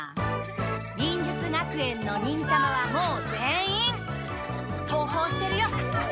忍術学園の忍たまはもう全員登校してるよ！